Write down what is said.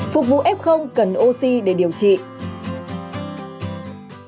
phục vụ f cần oxy để điều trị